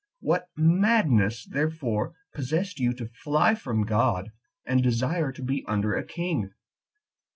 What madness therefore possessed you to fly from God, and to desire to be under a king?